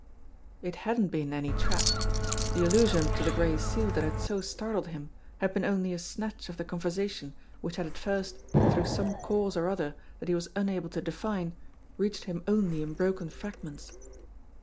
It hadn't been any trap. The allusion to the Gray Seal that had so startled him had been only a snatch of the conversation which had at first, through some cause or other that he was unable to define, reached him only in broken fragments.